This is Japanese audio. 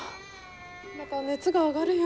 また熱が上がるよ。